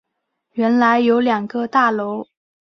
原来有两个大楼